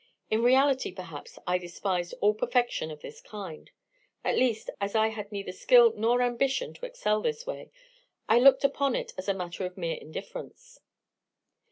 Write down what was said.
In reality, perhaps, I despised all perfection of this kind: at least, as I had neither skill nor ambition to excel this way, I looked upon it as a matter of mere indifference.